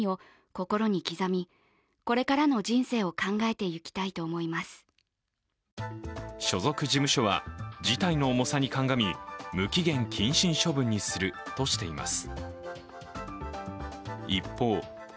家族に対して、そして今後は所属事務所は、事態の重さに鑑み無期限謹慎処分にするとしています。